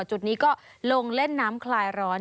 จุดนี้ก็ลงเล่นน้ำคลายร้อน